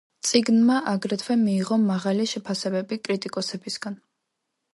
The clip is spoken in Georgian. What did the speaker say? წიგნმა, აგრეთვე მიიღო მაღალი შეფასებები კრიტიკოსებისგან.